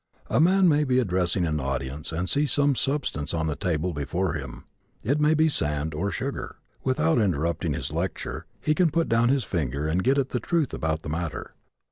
A man may be addressing an audience and see some substance on the table before him. It may be sand or sugar. Without interrupting his lecture he can put down his finger and get at the truth about the matter.